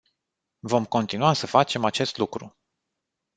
Vom continua să facem acest lucru.